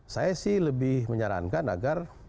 saya sih lebih menyarankan agar